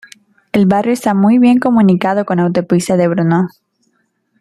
El barrio está muy bien comunicado con la autopista de Brno.